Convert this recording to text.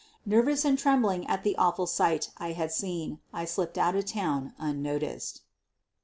Nervous and trembling at the awful sight I had seen, I slipped out of town unnoticed.